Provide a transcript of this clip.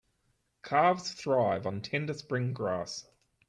Calves thrive on tender spring grass.